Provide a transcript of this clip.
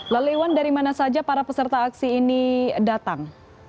lalu iwan dari mana saja para peserta aksi ini datang